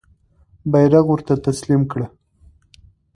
بیرغ ورته تسلیم کړه.